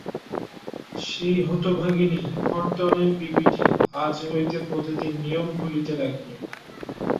সেই হতভাগিনী হরতনের বিবিটি আজ হইতে প্রতিদিন নিয়ম ভুলিতে লাগিল।